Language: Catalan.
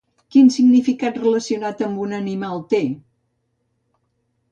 Quin significat relacionat amb un animal té?